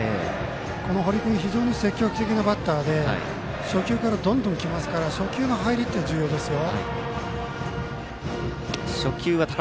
この堀君、積極的なバッターで初球からどんどんきますから初球の入りというのは重要ですよ。